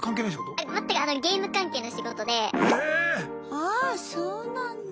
ああそうなんだ。